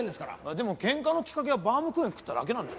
でもケンカのきっかけはバウムクーヘン食っただけなんでしょ？